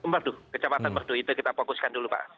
waduh kecamatan merdu itu kita fokuskan dulu pak